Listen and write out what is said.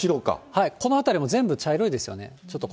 この辺りも全部茶色いですよ